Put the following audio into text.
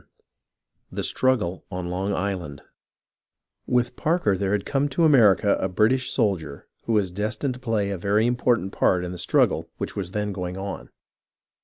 CHAPTER XII THE STRUGGLE ON LONG ISLAND With Parker there had come to America a British soldier who was destined to play a very important part in the struggle which was then going on.